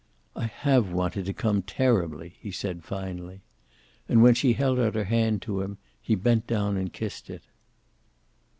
"I have wanted to come, terribly," he said finally. And when she held out her hand to him, he bent down and kissed it.